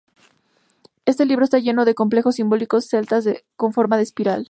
Este libro está lleno de complejos símbolos celtas con formas de espiral.